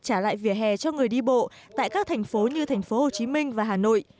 trả lại vỉa hè cho người đi bộ tại các thành phố như thành phố hồ chí minh và hà nội